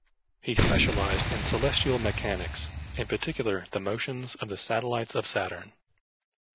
He specialized in celestial mechanics, in particular the motions of the satellites of Saturn.